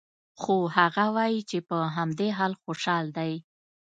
خو هغه وايي چې په همدې حال خوشحال دی